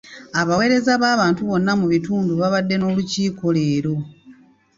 Abaweereza b'abantu bonna mu bitundu babadde n'olukiiko leero.